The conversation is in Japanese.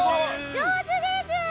上手です！